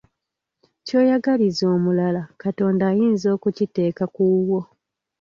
Ky'oyagaliza omulala Katonda ayinza okukiteeka ku wuwo.